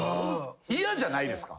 嫌じゃないですか？